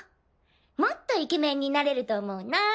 もっとイケメンになれると思うな。